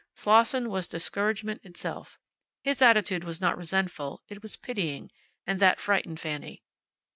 Slosson was discouragement itself. His attitude was not resentful; it was pitying, and that frightened Fanny.